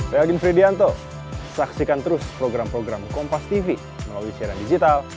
saya agin fridianto saksikan terus program program kompastv melalui siaran digital